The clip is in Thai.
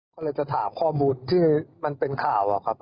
ก็เลยจะถามความบุตรที่มันเป็นข่าวอะครับผมพ่อ